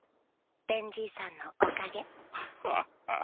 ベンじいさんのおかげ。